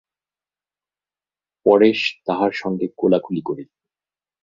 পরেশ তাহার সঙ্গে কোলাকুলি করিলেন।